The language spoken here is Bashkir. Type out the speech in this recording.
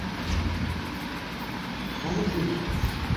Хәҙер уйларбыҙ.